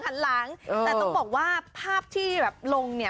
แต่ต้องบอกว่าภาพที่ลงเนี่ย